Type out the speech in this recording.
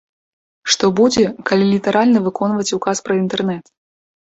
Што будзе, калі літаральна выконваць указ пра інтэрнэт?